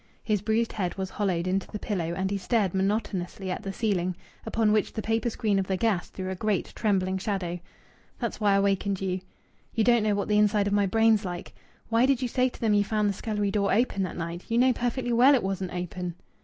His bruised head was hollowed into the pillow, and he stared monotonously at the ceiling, upon which the paper screen of the gas threw a great trembling shadow. "That's why I wakened you. You don't know what the inside of my brain's like.... Why did you say to them you found the scullery door open that night? You know perfectly well it wasn't open."